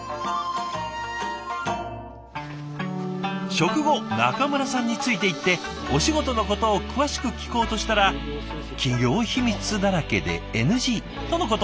食後中村さんについていってお仕事のことを詳しく聞こうとしたら企業秘密だらけでＮＧとのこと。